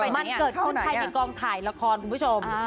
มันเกิดขึ้นภายในกองถ่ายละครคุณผู้ชม